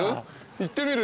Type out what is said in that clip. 行ってみる？